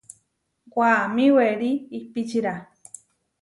Waʼamí werí ihpíčira.